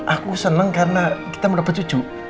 aku senang karena kita mendapat cucu